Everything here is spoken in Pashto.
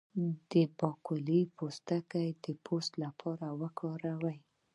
د باقلي پوستکی د پوستکي لپاره وکاروئ